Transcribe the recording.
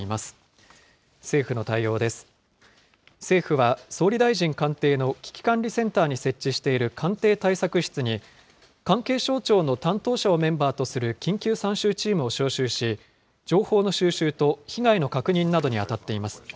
政府は総理大臣官邸の危機管理センターに設置している官邸対策室に、関係省庁の担当者をメンバーとする緊急参集チームを招集し、情報の収集と被害の確認などに当たっています。